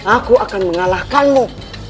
aku akan mengalahkanmu